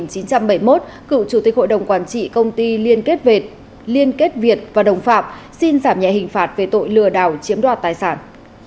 sinh năm một nghìn chín trăm bảy mươi một cựu chủ tịch hội đồng quản trị công ty liên kết việt và đồng phạm xin giảm nhẹ hình phạt về tội lừa đảo chiếm đoạt tài sản